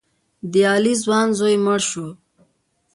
د علي ځوان زوی مړ شو.